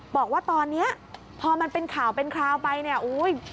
บอกว่าตอนนี้พอมันเป็นข่าวเป็นคราวไปเนี่ยอุ้ย